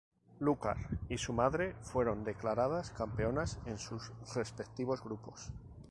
Lúcar y su madre fueron declaradas campeonas en sus respectivos grupos.